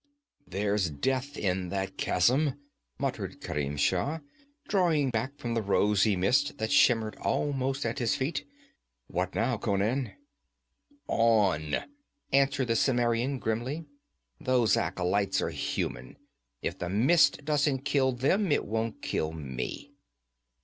'There's death in that chasm,' muttered Kerim Shah, drawing back from the rosy mist that shimmered almost at his feet. 'What now, Conan?' 'On!' answered the Cimmerian grimly. 'Those acolytes are human; if the mist doesn't kill them, it won't kill me.'